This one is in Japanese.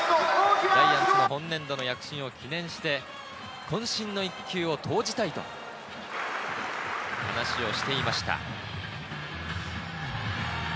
ジャイアンツの本年度の躍進を祈念して、渾身の一球を投じたいと話をしていました。